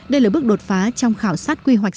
đây là bước đột phá trong khảo sát quy hoạch